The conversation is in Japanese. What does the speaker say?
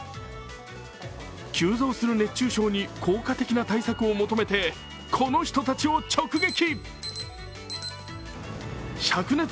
急増する熱中症に効果的な対策を求めて、この人たちを直撃。